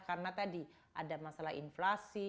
karena tadi ada masalah inflasi